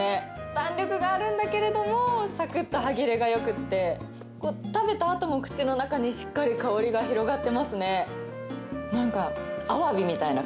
弾力があるんだけれどもサクッと歯切れがよくて食べたあとも、口の中にしっかり香りが広がっていますね。